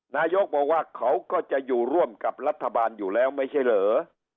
นายกบอกว่าเขาก็จะอยู่ร่วมกับรัฐบาลอยู่แล้วไม่ใช่เหรอ